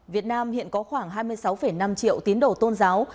việt nam hiện có khoảng hai mươi sáu năm triệu tín đồ tôn giáo